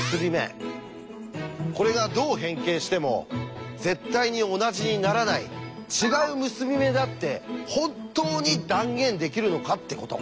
これがどう変形しても絶対に同じにならない違う結び目だって本当に断言できるのかってこと。